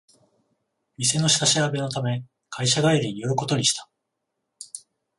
店の下調べのため会社帰りに寄ることにした